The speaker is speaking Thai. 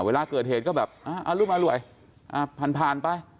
เวลาเกิดเหตุก็แบบเอาลูกมาร่วยพันธ์ไป